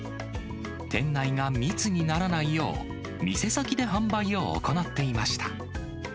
店内が密にならないよう、店先で販売を行っていました。